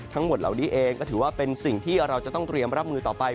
ทั้งหมดเหล่านี้เองก็ถือว่าเป็นสิ่งที่เราจะต้องเตรียมรับมือต่อไป